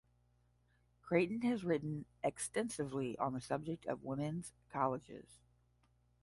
Creighton has written extensively on the subject of women's colleges.